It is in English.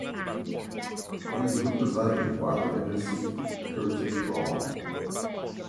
He is represented by the agency Curtis Brown.